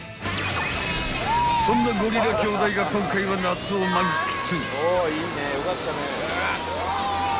［そんなゴリラ兄弟が今回は夏を満喫］